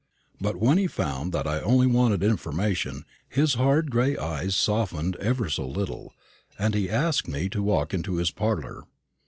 But when he found that I only wanted information, his hard gray eyes softened ever so little, and he asked me to walk into his parlour.